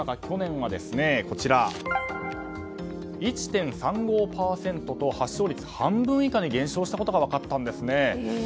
去年は、１．３５％と発症率が半分以下に減少したことが分かったんですね。